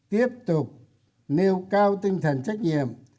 tiếp tục nêu cao tinh thần trách nhiệm